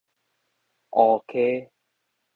烏溪